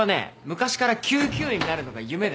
昔から救急医になるのが夢でね。